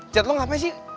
jad lu ngapain sih